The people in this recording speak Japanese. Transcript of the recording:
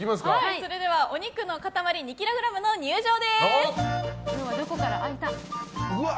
それではお肉の塊２ｋｇの入場です！